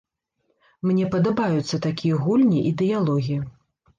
Мне падабаюцца такія гульні і дыялогі.